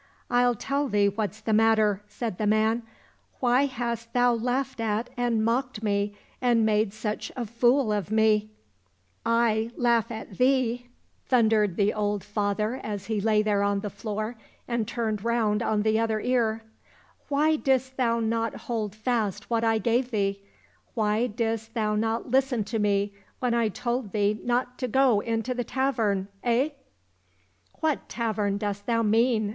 —" I'll tell thee what's the matter," said the man ;" why hast thou laughed at and mocked me and made such a fool of me ?"—" I laugh at thee !" 37 COSSACK FAIRY TALES thundered the old father as he lay there on the floor and turned round on the other ear ;" why didst thou not hold fast what I gave thee ? Why didst thou not listen to me when I told thee not to go into the tavern, eh ?"—" What tavern dost thou mean